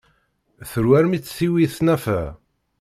Tru almi tt-tiwi tnafa.